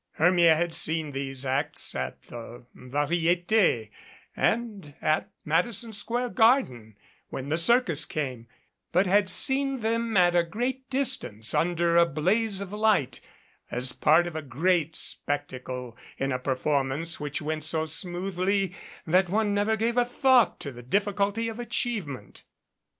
Hermia had seen these THE FABIANI FAMILY acts at the Varietes and at Madison Square Garden when the circus came, but had seen them at a great distance, under a blaze of light, as part of a great spectacle in a performance which went so smoothly that one never gave a thought to the difficulty of achievement.